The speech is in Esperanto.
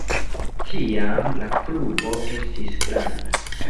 Tiam la klubo estis granda.